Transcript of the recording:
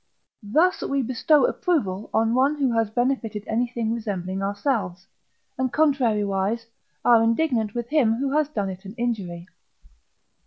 Thus, we bestow approval on one who has benefited anything resembling ourselves, and, contrariwise, are indignant with him who has done it an injury.